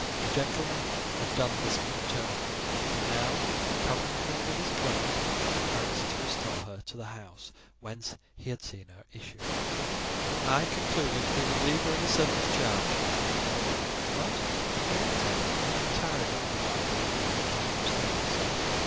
A gentleman had done this good turn, and now, covering her with his cloak, advanced to restore her to the house whence he had seen her issue. I concluded he would leave her in a servant's charge and withdraw; but he entered: having tarried a little while below, he came up stairs.